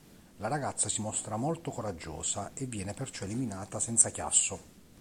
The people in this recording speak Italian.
La ragazza si mostra molto coraggiosa e viene perciò eliminata senza chiasso.